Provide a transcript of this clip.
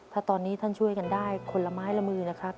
ถ้าตอนนี้ท่านช่วยกันได้คนละไม้ละมือนะครับ